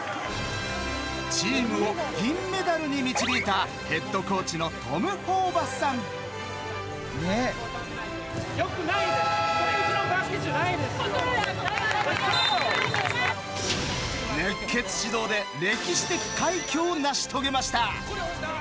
チームを銀メダルに導いたヘッドコーチの熱血指導で歴史的快挙を成し遂げました。